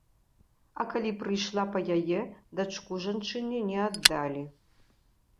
А калі прыйшла па яе, дачку жанчыне не аддалі.